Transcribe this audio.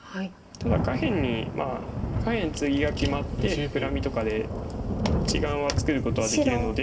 ただ下辺に下辺ツギが決まってフクラミとかで１眼は作ることはできるので。